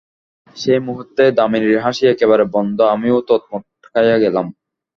সেই মুহূর্তেই দামিনীর হাসি একেবারে বন্ধ, আমিও থতমত খাইয়া গেলাম।